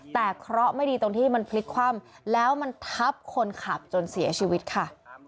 แต่เคราะห์ไม่ดีตรงที่มันพลิกคว่ำแล้วมันทับคนขับจนเสียชีวิตค่ะ